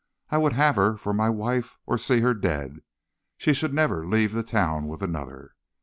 I would have her for my wife or see her dead; she should never leave the town with another.